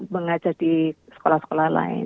mengajar di sekolah sekolah lain